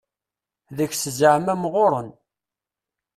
Deg-s zaɛma mɣuren.